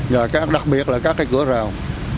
và đặc biệt là các cái cửa rào